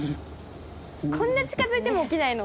こんな近づいても起きないの？